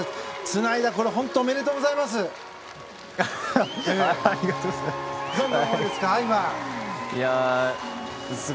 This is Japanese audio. つないだ本当におめでとうございます。